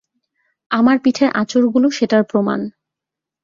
আমার পিঠের আচড় গুলো সেটার প্রমান।